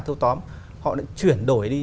thâu tóm họ đã chuyển đổi đi